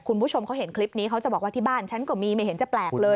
คุณผู้ชมเขาเห็นคลิปนี้เขาจะบอกว่าที่บ้านฉันก็มีไม่เห็นจะแปลกเลย